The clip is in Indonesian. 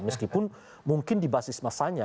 meskipun mungkin di basis masanya